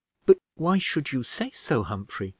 "But why should you say so, Humphrey?